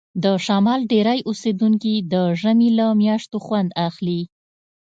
د شمال ډیری اوسیدونکي د ژمي له میاشتو خوند اخلي